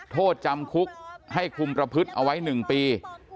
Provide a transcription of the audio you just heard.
โทษจำคุกให้คุมประพฤติเอาไว้๑ปี